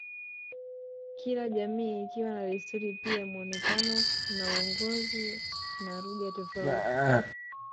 Kila jamii ikiwa na desturi pia muonekano na uongozi na lugha tofauti